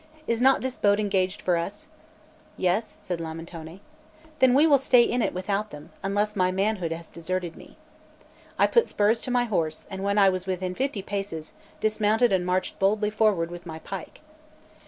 Is not this boat engaged for us?" "Yes," said Lamentone. "Then we will stay in it without them, unless my manhood has deserted me." I put spurs to my horse, and when I was within fifty paces, dismounted and marched boldly forward with my pike.